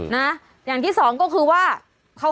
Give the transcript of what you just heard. วันนี้จะเป็นวันนี้